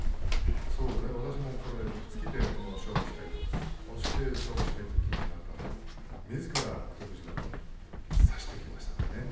私も、これ突きで勝負したい押して勝負したいという気持ちがあったんですけど、みずから北勝富士が差してきましたからね。